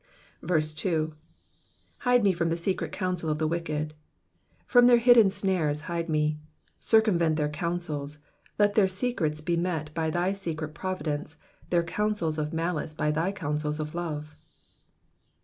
2. Hide me from the secret counsel of the wicked,''^ From their hidden snares hide me. Circumvent their counsel ; let their secrets be met by thy secret providence, their counsels of malice by thy counsels of love.